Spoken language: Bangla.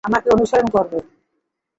আমাকে অনুসরণ করবে।